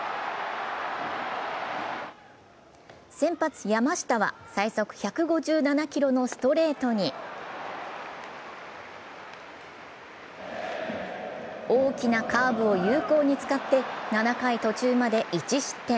先発・山下は最速１５７キロのストレートに大きなカーブを有効に使って７回途中まで１失点。